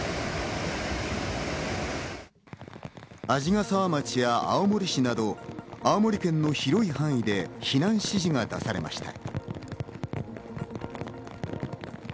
鯵ヶ沢町や青森市など、青森県の広い範囲で避難指示が出されました。